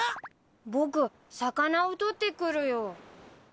僕魚をとってくるよ。